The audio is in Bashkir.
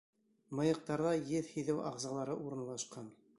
Мыйыҡтарҙа еҫ һиҙеү ағзалары урынлашҡан.